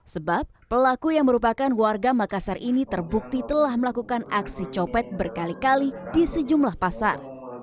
sebab pelaku yang merupakan warga makassar ini terbukti telah melakukan aksi copet berkali kali di sejumlah pasar